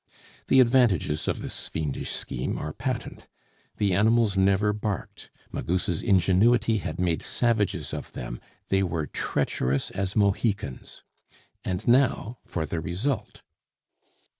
The advantages of this fiendish scheme are patent. The animals never barked, Magus' ingenuity had made savages of them; they were treacherous as Mohicans. And now for the result.